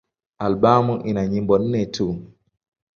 Albamu ina nyimbo nne tu.